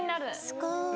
すごーい。